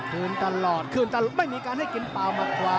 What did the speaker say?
คืนตลอดคืนตลอดไม่มีการให้กินเปล่ามากกว่า